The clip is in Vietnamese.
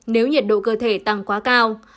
nếu nhiệt độ cơ thể tăng quá cao